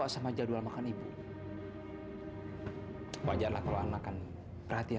sampai jumpa di video selanjutnya